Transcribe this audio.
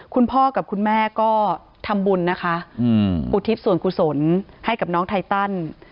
คุณพ่อกับคุณแม่ก็ทำบุญนะคะอุทิศส่วนกุศลให้กับน้องไทตัน